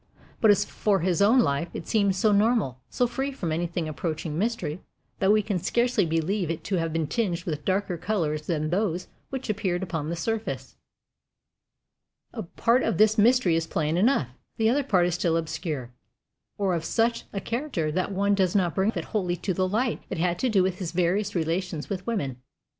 But as for his own life, it seemed so normal, so free from anything approaching mystery, that we can scarcely believe it to have been tinged with darker colors than those which appeared upon the surface. A part of this mystery is plain enough. The other part is still obscure or of such a character that one does not care to bring it wholly to the light. It had to do with his various relations with women.